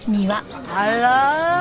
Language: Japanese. あら？